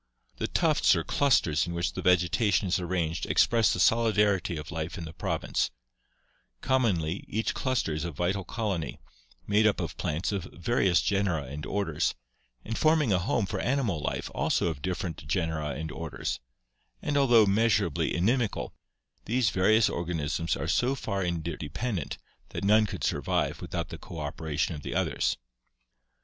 The tufts or clusters in which the vegetation is arranged express the solidarity of life in the province; commonly each cluster is a vital colony, made up of plants of various genera and orders; and forming a home for animal life also of different genera and orders; and, although measurably inimical, these various organisms are so far inter dependent that none could survive without the cooperation of the others."